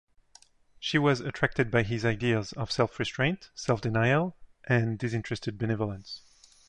She was attracted by his ideas of self-restraint, self-denial, and disinterested benevolence.